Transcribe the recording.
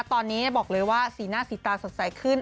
ตอนนี้บอกเลยว่าสีหน้าสีตาสดใสขึ้น